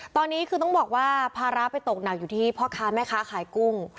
ตอนนี้คือต้องบอกว่าภาระไปตกหนักอยู่ที่พ่อค้าแม่ค้าขายกุ้ง